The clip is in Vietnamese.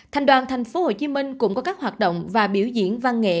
thành đoàn thành phố hồ chí minh cũng có các hoạt động và biểu diễn văn nghệ